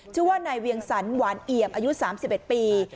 ชื่อว่านายเวียงสันหวานเอี่ยมอายุ๓๑ปี